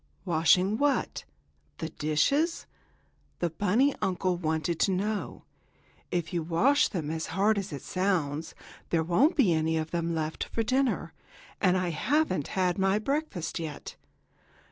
"Washing what; the dishes?" the bunny uncle wanted to know. "If you wash them as hard as it sounds, there won't be any of them left for dinner, and I haven't had my breakfast yet."